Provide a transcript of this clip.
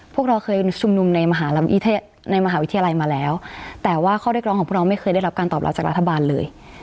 พวกเราเคยชุมนุมในมหาวิทยาลัยมาแล้วแต่ว่าข้อเรียกร้องของพวกเราไม่เคยได้รับการตอบรับจากรัฐบาลเลย